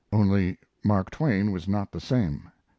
Only Mark Twain was not the same.